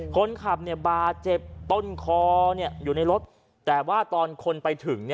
คนขับบาดเจ็บต้นคออยู่ในรถแต่ว่าตอนคนไปถึง